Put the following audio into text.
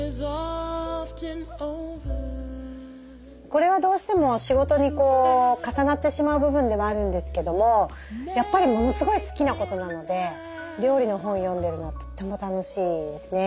これはどうしても仕事に重なってしまう部分でもあるんですけどもやっぱりものすごい好きなことなので料理の本を読んでるのはとっても楽しいですね。